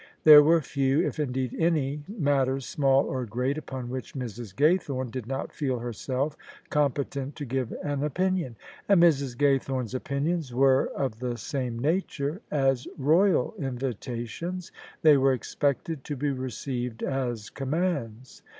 There were few, if indeed any, matters small or great upon which Mrs. Gaythome* did not feel herself competent to give an opinion: and Mrs. Gaythome's opinions were of the same nature as Royal invitations; they were expected to be received as commands.